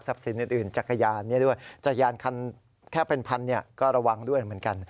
สินอื่นจักรยานนี้ด้วยจักรยานคันแค่เป็นพันก็ระวังด้วยเหมือนกัน